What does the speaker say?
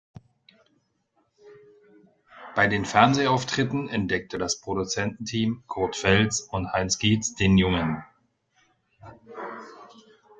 Bei den Fernsehauftritten entdeckte das Produzententeam Kurt Feltz und Heinz Gietz den Jungen.